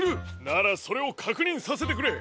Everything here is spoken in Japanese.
ならそれをかくにんさせてくれ！